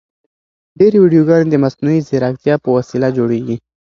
ډېرې ویډیوګانې د مصنوعي ځیرکتیا په وسیله جوړیږي.